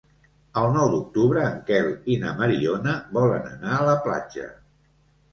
El nou d'octubre en Quel i na Mariona volen anar a la platja.